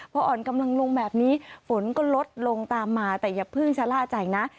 พออ่อนกำลังลงแบบนี้ฝนก็ลดลงตามมาแต่อย่าเพิ่งชะล่าใจนะ